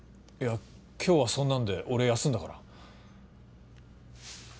いや今日はそんなんで俺休んだから。